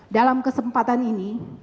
dalam kesempatan ini